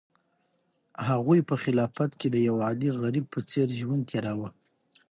هغوی په خلافت کې د یو عادي غریب په څېر ژوند تېراوه.